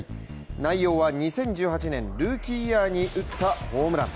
内容は２０１８年、ルーキーイヤーに打ったホームラン。